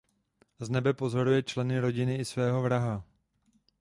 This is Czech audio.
Z nebe pozoruje členy rodiny i svého vraha.